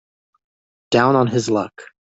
Down on his luck.